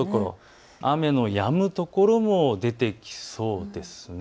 雨のやむ所も出てきそうです。